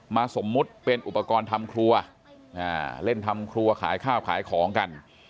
สมมุติเป็นอุปกรณ์ทำครัวเล่นทำครัวขายข้าวขายของกัน